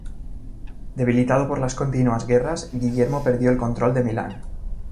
Debilitado por las continuas guerras, Guillermo perdió el control de Milán.